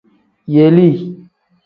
Yelii.